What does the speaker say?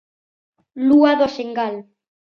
Lúa do Senegal.